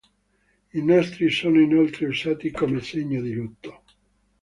I nastri sono inoltre usati come segno di lutto.